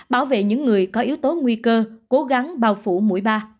bảo vệ những người có yếu tố nguy cơ cố gắng bao phủ mũi ba